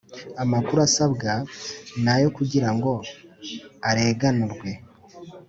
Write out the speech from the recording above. Amakuru asabwa nayokugirango areganurwe